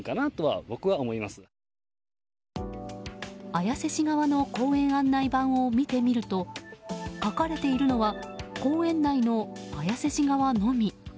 綾瀬市側の公園案内板を見てみると書かれているのは公園内の綾瀬市側のみ。